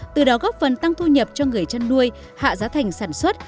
từ đó góp phần tăng thu nhập cho người chăn nuôi hạ giá thành sản xuất